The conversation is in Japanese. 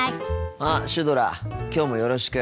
あっシュドラきょうもよろしく。